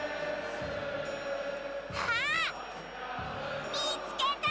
あっ！みつけた！